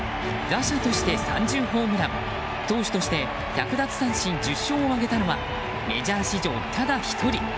打者として３０ホームラン投手として１００奪三振１０勝を挙げたのはメジャー史上ただ１人。